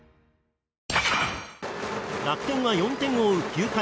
楽天は４点を追う９回。